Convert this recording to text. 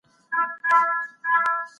کله چي دوی هجرت کاوه، ډيري سختۍ يې ګاللې.